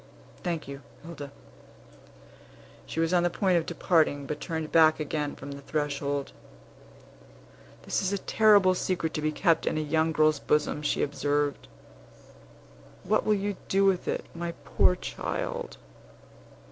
Thank you, Hilda." She was on the point of departing, but turned back again from the threshold. "This is a terrible secret to be kept in a young girl's bosom," she observed; "what will you do with it, my poor child?"